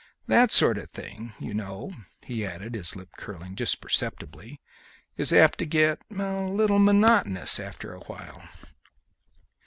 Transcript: That sort of thing, you know," he added, his lip curling just perceptibly, "is apt to get a little monotonous after a while."